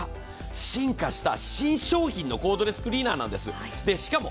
これが進化した新商品のコードレスクリーナーなんです。